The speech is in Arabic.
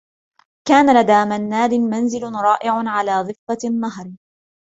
كان لدى منّاد منزل رائع على ضفّة النّهر.